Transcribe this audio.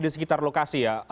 di sekitar lokasi ya